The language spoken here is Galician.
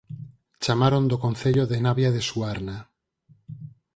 Chamaron do Concello de Navia de Suarna